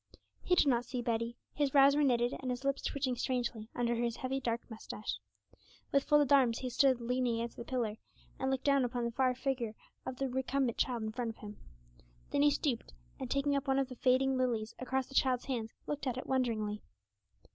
He did not see Betty; his brows were knitted and his lips twitching strangely under his heavy dark moustache; with folded arms he stood leaning against the pillar, and looking down upon the fair figure of the recumbent child in front of him. Then he stooped, and taking up one of the fading lilies across the child's hands looked at it wonderingly.